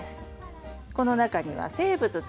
この中には生物多様性。